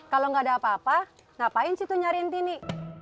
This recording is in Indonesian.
kalau gak ada apa apa ngapain situ nyariin tini